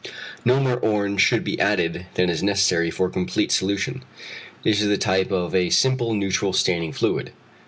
No more orange should be added than is necessary for complete solution. This is the type of a simple neutral staining fluid.